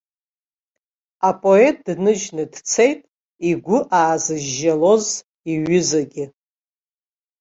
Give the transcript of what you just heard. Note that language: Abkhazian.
Апоет дныжьны дцеит игәы аазыжьжьалоз иҩызагьы.